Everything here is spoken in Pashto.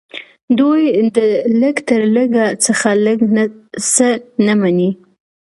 دوی د لږ تر لږه څخه لږ څه نه مني